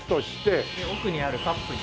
奥にあるカップに。